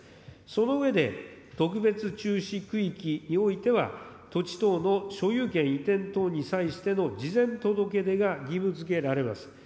その上で、特別注視区域においては土地等の所有権移転等に際しての事前届け出が義務付けられます。